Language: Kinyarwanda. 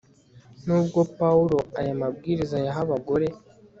nubwo pawulo aya mabwiriza ayaha abagore